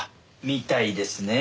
みたいですね。